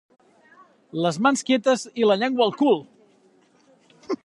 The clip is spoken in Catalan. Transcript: Les mans quietes i la llengua al cul.